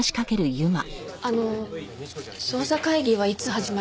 あの捜査会議はいつ始まるんですか？